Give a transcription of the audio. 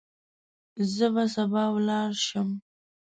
زه به سبا ولاړ شم.